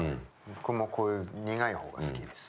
僕もこういう苦い方が好きです。